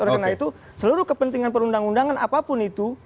oleh karena itu seluruh kepentingan perundang undangan apapun itu